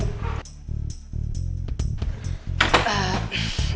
kay tuh cewek dulu alah